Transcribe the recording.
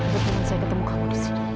sebelum saya ketemu kamu disini